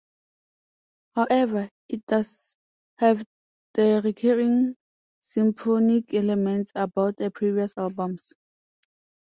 However, it does have the recurring symphonic elements found on previous albums.